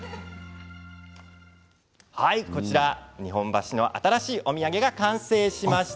こちら、日本橋の新しいお土産が完成しました。